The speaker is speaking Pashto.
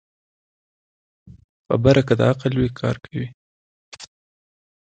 خبره که د عقل وي، کار کوي